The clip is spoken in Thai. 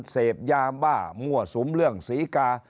เสพยาบ้ามั่วสุมเรื่องศรีกา